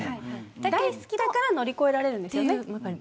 大好きだから乗り越えられるんですよね。